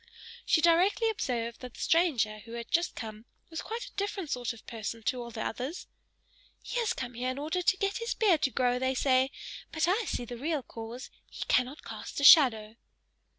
She directly observed that the stranger who had just come was quite a different sort of person to all the others; "He has come here in order to get his beard to grow, they say, but I see the real cause, he cannot cast a shadow."